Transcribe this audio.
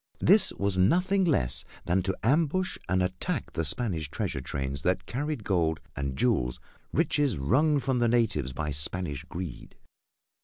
This was nothing less than to ambush and attack the Spanish treasure trains that carried gold and jewels across the Isthmus of Panama, riches wrung from the natives by Spanish greed.